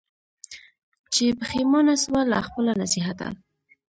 چي پښېمانه سوه له خپله نصیحته